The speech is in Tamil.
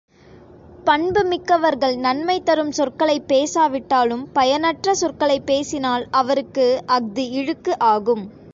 பண்பு மிக்கவர்கள் நன்மை தரும் சொற்களைப் பேசாவிட்டாலும் பயனற்ற சொற்களைப் பேசினால் அவர்க்கு அஃது இழுக்கு ஆகும்.